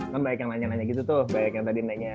kan banyak yang nanya nanya gitu tuh banyak yang tadi nanya